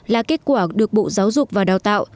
là kết quả được bộ giáo dục và đào tạo